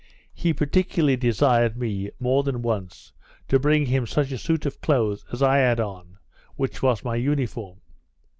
He particularly desired me, more than once, to bring him such a suit of clothes as I had on, which was my uniform.